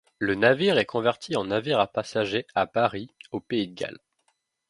Le navire est converti en navire à passagers à Barry, au pays de Galles.